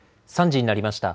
３時になりました。